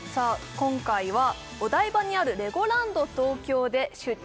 今回はお台場にあるレゴランド東京で出張！